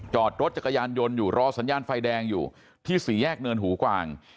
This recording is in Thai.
จอดรถจักรยานยนต์อยู่รอสัญญาณไฟแดงอยู่ที่สี่แยกเนินหูกวาง